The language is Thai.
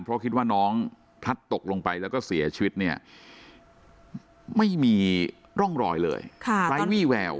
เพราะคิดว่าน้องพลัดตกลงไปแล้วก็เสียชีวิตเนี่ยไม่มีร่องรอยเลยไร้วี่แวว